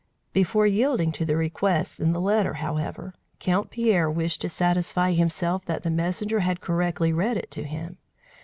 Before yielding to the requests in the letter, however, Count Pierre wished to satisfy himself that the messenger had correctly read it to him.